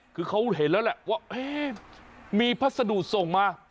คือเขาเห็นแล้วแหละว่ามีพัสดุส่งมา